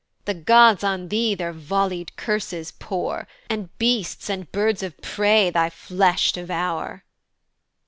"The gods on thee their vollied curses pour, "And beasts and birds of prey thy flesh devour."